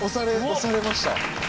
押されました。